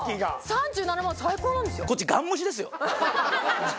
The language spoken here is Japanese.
３７万最高なんですよ。